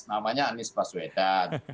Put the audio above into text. namanya anies paswedan